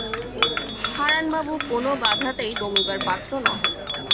হারানবাবু কোনো বাধাতেই দমিবার পাত্র নহেন।